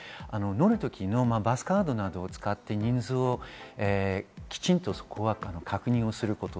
乗るときのバスカードなどを使って、人数をきちんと確認すること。